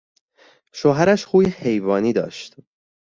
شوهرش خوی حیوانی داشت.